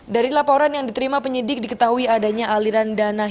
dari laporan yang diterima penyidik diketahui adanya aliran dana